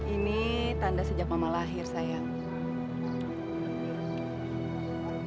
ini tanda sejak mama lahir sayang